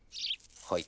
はい。